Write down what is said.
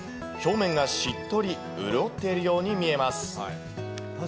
表面はしっとり、潤っているように見えます。